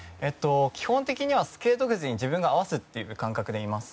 基本的にはスケート靴に自分が合わすという感覚でいます。